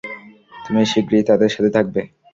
তুমি শীঘ্রই তাদের সাথে থাকবে।